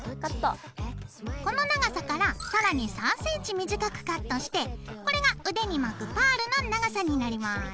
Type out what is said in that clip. この長さから更に３ｃｍ短くカットしてこれが腕に巻くパールの長さになります。